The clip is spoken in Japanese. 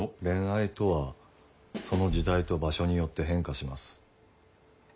恋愛とはその時代と場所によって変化します。